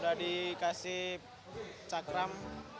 udah di kasih cakram